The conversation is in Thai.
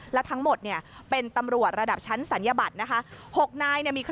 และทั้งหมดเป็นตำรวจระดับชั้นศัลยบัตรนะคะ